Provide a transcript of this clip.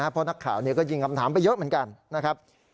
เพราะนักข่าวก็ยิงคำถามไปเยอะเหมือนกันนะครับ